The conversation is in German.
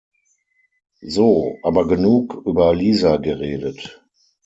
So aber genug über Lisa geredet.